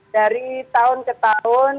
dari tahun ke tahun